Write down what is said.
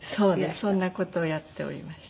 そんな事をやっておりました。